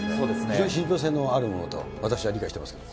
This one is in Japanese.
非常に信ぴょう性のあるものと私は理解してますけど。